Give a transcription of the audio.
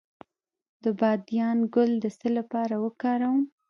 د بادیان ګل د څه لپاره وکاروم؟